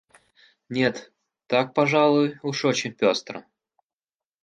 Нет, так, пожалуй, уж очень пестро.